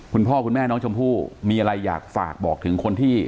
คุณพ่อคุณแม่น้องชมพู่มีอะไรอยากฝากบอกถึงคนที่